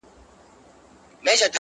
بزې مېږي ته ويل کونه دي ښکاره سوه.